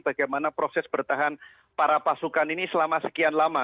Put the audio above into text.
bagaimana proses bertahan para pasukan ini selama sekian lama